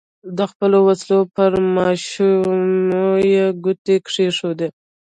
د خپلو وسلو پر ماشو یې ګوتې کېښودې.